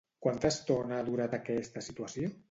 Quanta estona ha durat aquesta situació?